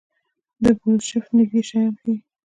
د بلوشفټ نږدې شیان ښيي.